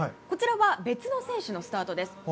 こちらは別の選手のスタートです。